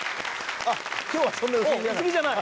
今日はそんなに薄着じゃない。